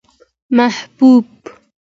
محبوب